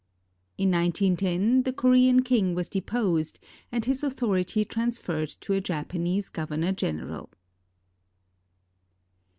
In 1910, the Korean king was deposed and his authority transferred to a Japanese governor general.